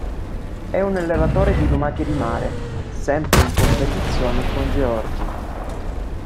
È un allevatore di lumache di mare, sempre in competizione con Georgie.